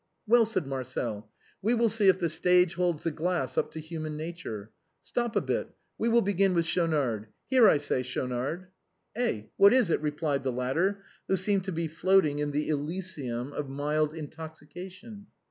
" Well," said Marcel, " we will see if the stage holds the glass up to human nature. Stop a bit, we will begin with Schaunard. Here, I say, Schaunard." " Eh ? What is it ?" replied the latter, who seemed to be floating in the elysium of mild intoxication.